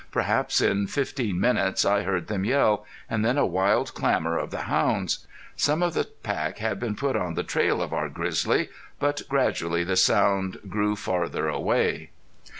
Perhaps in fifteen minutes I heard them yell, and then a wild clamor of the hounds. Some of the pack had been put on the trail of our grizzly; but gradually the sound grew farther away.